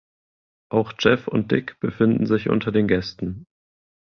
Auch Jeff und Dick befinden sich unter den Gästen.